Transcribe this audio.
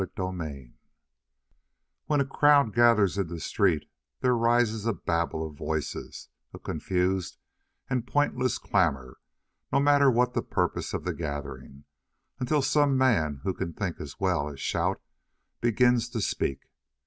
CHAPTER 22 When a crowd gathers in the street, there rises a babel of voices, a confused and pointless clamor, no matter what the purpose of the gathering, until some man who can think as well as shout begins to speak.